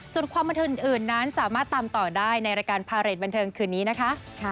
ส่วนความบันเทิงอื่นนั้นสามารถตามต่อได้ในรายการพาเรทบันเทิงคืนนี้นะคะ